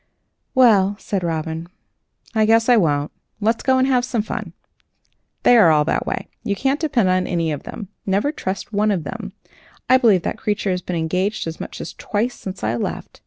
"Well," said Robin, "I guess I won't. Let's go and have some fun. They are all that way. You can't depend on any of them. Never trust one of them. I believe that creature has been engaged as much as twice since I left.